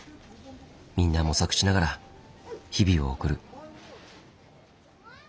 みんな模索しながら日々を送る。